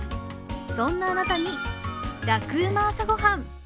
そんなあなたに「ラクうま！朝ごはん」。